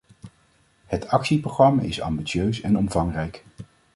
Het actieprogramma is ambitieus en omvangrijk.